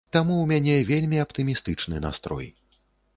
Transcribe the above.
Таму ў мяне вельмі аптымістычны настрой.